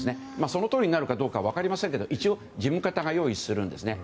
そのとおりになるかどうかは分かりませんけど一応、事務方が用意するんですね。